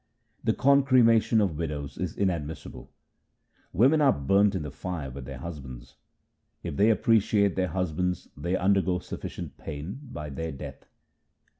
The concremation of widows is inadmissible :— Women are burnt in the fire with their husbands : If they appreciate their husbands they undergo sufficient pain by their death.